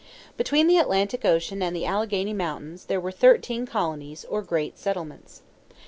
Between the Atlantic Ocean and the Alleghany Mountains there were thirteen colonies, or great settlements.